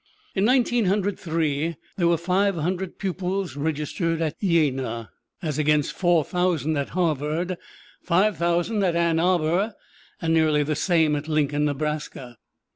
In Nineteen Hundred Three, there were five hundred pupils registered at Jena, as against four thousand at Harvard, five thousand at Ann Arbor, and nearly the same at Lincoln, Nebraska.